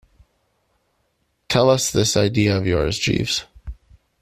Tell us this idea of yours, Jeeves.